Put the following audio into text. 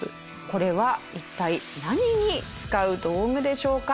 これは一体何に使う道具でしょうか？